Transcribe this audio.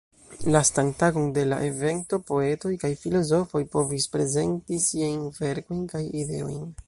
Lastan tagon de la evento poetoj kaj filozofoj povis prezenti siajn verkojn kaj ideojn.